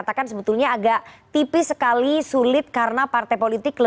terima kasih pak